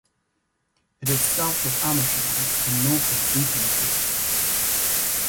It is south of Amersham and north of Beaconsfield.